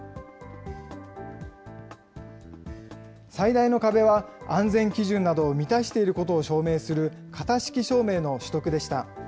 最大の壁は、安全基準などを満たしていることを証明する型式証明の取得でした。